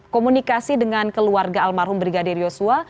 komunikasi dengan keluarga almarhum brigadir yosua